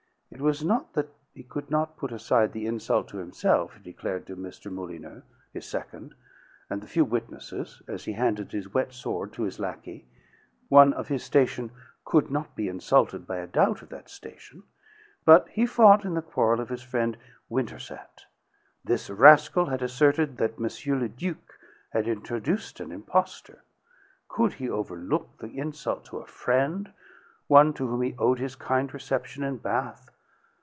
It was not that he could not put aside the insult to himself, he declared to Mr. Molyneux, his second, and the few witnesses, as he handed his wet sword to his lackey one of his station could not be insulted by a doubt of that station but he fought in the quarrel of his friend Winterset. This rascal had asserted that M. le Duc had introduced an impostor. Could he overlook the insult to a friend, one to whom he owed his kind reception in Bath?